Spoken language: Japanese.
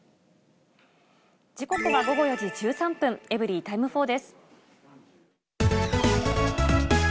時刻は午後４時１３分、エブリィタイム４です。